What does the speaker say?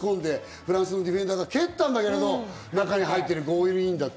フランスのディフェンダーが蹴ったんだけど中に入って、ゴールインだって。